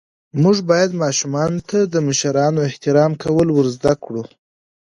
موږ باید ماشومانو ته د مشرانو احترام کول ور زده ڪړو.